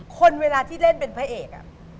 คนเวลาที่เล่นเป็นพระเอก